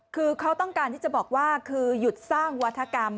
คือเขาต้องการที่จะบอกว่าคือหยุดสร้างวัฒกรรม